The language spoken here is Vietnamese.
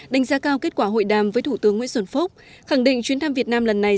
đánh giá cao kết quả hội đàm với thủ tướng nguyễn xuân phúc khẳng định chuyến thăm việt nam lần này